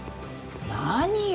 何よ？